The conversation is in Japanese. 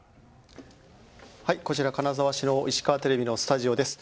こちら金沢市の石川テレビのスタジオです。